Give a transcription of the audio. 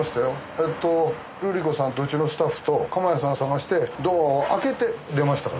えっと瑠里子さんとうちのスタッフと鎌谷さんを探してドアを開けて出ましたからね。